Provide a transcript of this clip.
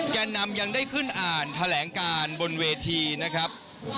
แก่นำยังได้ขึ้นอ่านแถลงการบนเวทีนะครับ